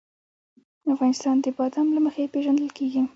افغانستان د بادام له مخې پېژندل کېږي.